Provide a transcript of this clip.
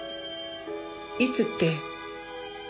いつって。